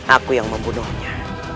aku yang membunuhnya